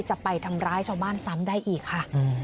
จะไปทำร้ายชาวบ้านซ้ำได้อีกค่ะ